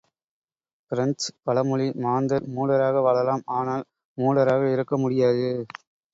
பிரெஞ்சுப் பழமொழி மாந்தர் மூடராக வாழலாம், ஆனால் மூடராக இறக்க முடியாது.